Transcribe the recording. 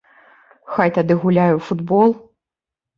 Хай тады гуляе ў футбол.